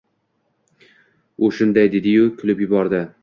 U shunday dedi-yu, kulib yubordi.